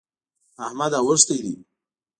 احمد اوښتی دی.